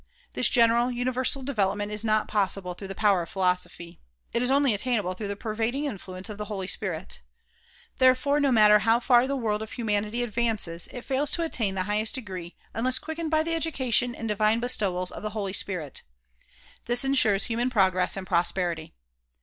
This general, universal development is not possible through the power of philosophy. It is only attainable through the pervading influence of the Holy Spirit. Therefore no matter how far the world of humanity advances, it fails to attain the highest degree unless quickened by the education and divine bestowals of the Holy Spirit. This insures human progress and prosperity.